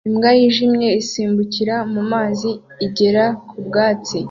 Imbwa yijimye isimbukira mu mazi igera ku byatsi